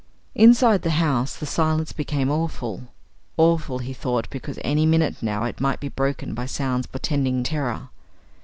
Inside the house the silence became awful; awful, he thought, because any minute now it might be broken by sounds portending terror.